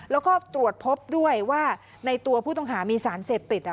แล้วก็ตรวจพบด้วยว่าในตัวผู้ต้องหามีสารเสพติด